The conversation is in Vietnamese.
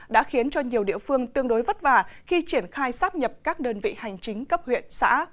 đã khiến cho nhiều địa phương tương đối vất vả khi triển khai sắp nhập các đơn vị hành chính cấp huyện xã